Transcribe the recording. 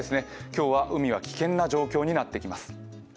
今日は海は危険な状況になってきます。